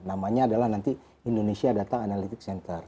namanya adalah nanti indonesia data analitik center